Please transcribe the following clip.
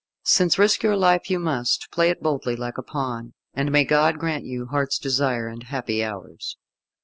Since risk your life you must, play it boldly like a pawn, and may God grant you heart's desire and happy hours."